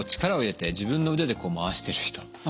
力を入れて自分の腕で回してる人。